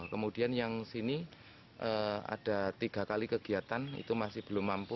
kemudian yang sini ada tiga kali kegiatan itu masih belum mampu